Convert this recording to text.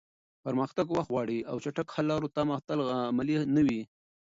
پرمختګ وخت غواړي او د چټکو حل لارو تمه تل عملي نه وي.